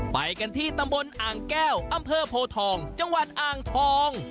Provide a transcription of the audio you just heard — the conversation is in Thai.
ไปกันที่ตำบลอ่างแก้วอำเภอโพทองจังหวัดอ่างทอง